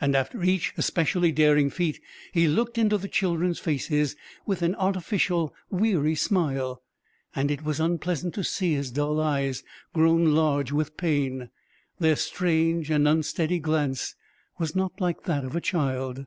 After each especially daring feat he looked into the children's faces with an artificial, weary smile, and it was unpleasant to see his dull eyes, grown large with pain. Their strange and unsteady glance was not like that of a child.